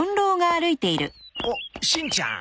おっしんちゃん！